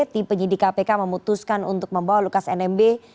tim penyidik kpk memutuskan untuk membawa lukas nmb